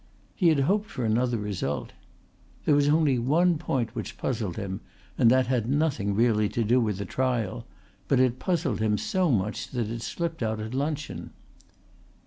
He had hoped for another result. There was only one point which puzzled him and that had nothing really to do with the trial, but it puzzled him so much that it slipped out at luncheon.